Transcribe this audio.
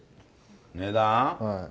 値段？